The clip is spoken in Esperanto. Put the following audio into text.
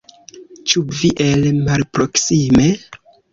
Ĉu vi el malproksime?